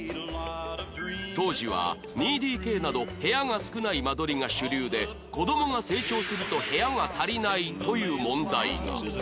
当時は ２ＤＫ など部屋が少ない間取りが主流で子どもが成長すると部屋が足りないという問題が